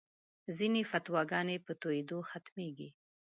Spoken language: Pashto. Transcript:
ځینې فتواګانې په تویېدو ختمېږي.